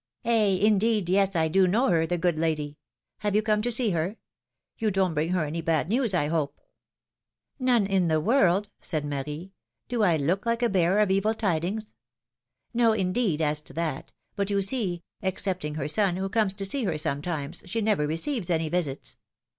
Eh ! indeed, yes, I do know her, the good lady ! Have you come to see her ? You don't bring her any bad news, I hope ?" ^^None in the world," said Marie; do I look like a bearer of evil tidings?" No, indeed ! as to that. But, you see, excepting her son, who comes to see her sometimes, she never receives any visits.